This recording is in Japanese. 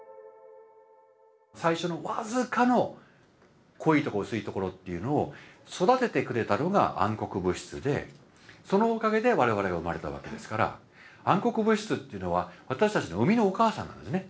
最初の僅かの濃いとこ薄いところっていうのを育ててくれたのが暗黒物質でそのおかげで我々が生まれたわけですから暗黒物質っていうのは私たちの生みのお母さんなんですね。